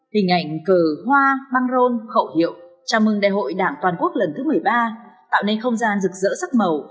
hình ảnh cờ hoa băng rôn khẩu hiệu chào mừng đại hội đảng toàn quốc lần thứ một mươi ba tạo nên không gian rực rỡ sắc màu